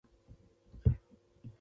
سا نيولي هلک له لاندې نه وويل.